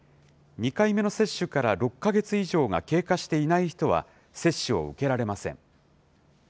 ２回目の接種から６か月以上が経過していない人は、接種を受けられません。